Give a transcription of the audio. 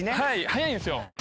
早いんですよ。